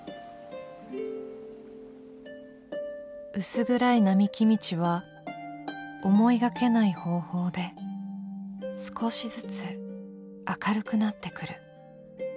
「薄暗い並木道は思いがけない方法で少しずつ明るくなってくる。